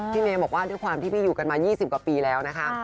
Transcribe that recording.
เมย์บอกว่าด้วยความที่พี่อยู่กันมา๒๐กว่าปีแล้วนะคะ